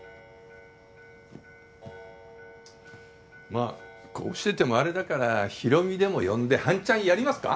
まあこうしててもあれだから博美でも呼んで半荘やりますか？